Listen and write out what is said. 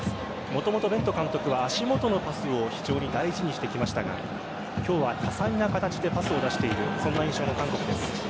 もともとベント監督は足元のパスを非常に大事にしてきましたが今日は多彩な形でパスを出している印象の韓国です。